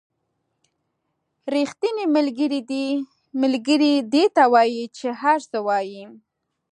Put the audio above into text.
ریښتینې ملګرتیا دې ته وایي چې هر څه وایئ.